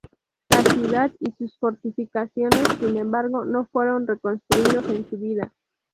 La ciudad y sus fortificaciones, sin embargo, no fueron reconstruidos en su vida.